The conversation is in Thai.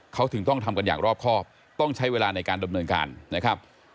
เขาถึงต้องทำกันอย่างรอบครอบต้องใช้เวลาในการดำเนินการนะครับ